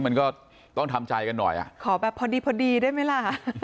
มันก็ต้องทำใจกันหน่อยอ่ะขอแบบพอดีพอดีได้ไหมล่ะ